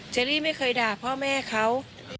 เจรี่ไม่เคยด่าพ่อแม่เขา